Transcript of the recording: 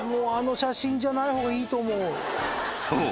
［そう。